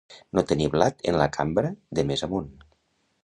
No tenir blat en la cambra de més amunt.